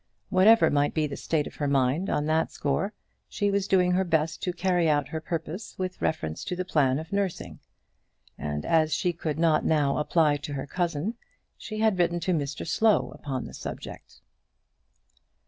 Whatever might be the state of her mind on that score, she was doing her best to carry out her purpose with reference to the plan of nursing; and as she could not now apply to her cousin, she had written to Mr Slow upon the subject.